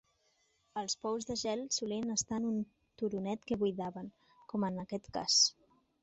Els pous de gel solien estar en un turonet que buidaven, com en aquest cas.